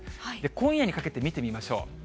今夜にかけて見てみましょう。